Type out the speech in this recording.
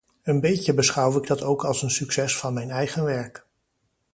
Een beetje beschouw ik dat ook als een succes van mijn eigen werk.